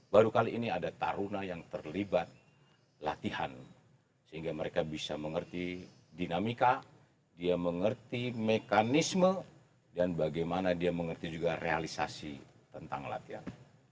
baru kali ini ada taruna yang terlibat latihan sehingga mereka bisa mengerti dinamika dia mengerti mekanisme dan bagaimana dia mengerti juga realisasi tentang latihan